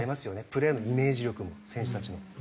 プレーのイメージ力も選手たちの。